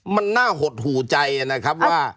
มันน่าหดหูใจนะครับว่า